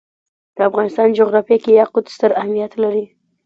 د افغانستان جغرافیه کې یاقوت ستر اهمیت لري.